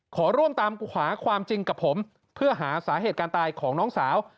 ขอร่วมตามหาความจริงกับผมเพื่อหาสาเหตุการตายของน้องสาว